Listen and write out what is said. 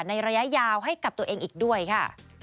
ระยะยาวให้กับตัวเองอีกด้วยค่ะ